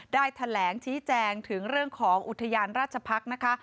ได้แถลงชี้แจงถึงเรื่องของอุทยานราชพักษ์นะคะ